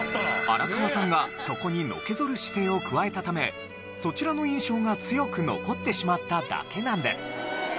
荒川さんがそこにのけぞる姿勢を加えたためそちらの印象が強く残ってしまっただけなんです。